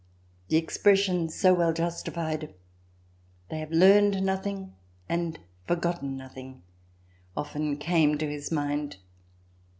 The expres sion, so well justified: "They have learned nothing and forgotten nothing," often came to his mind.